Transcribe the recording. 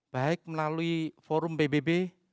baik melalui forum pbb